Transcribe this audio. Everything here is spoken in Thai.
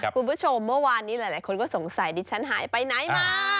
คุณผู้ชมเมื่อวานนี้หลายคนก็สงสัยดิฉันหายไปไหนมา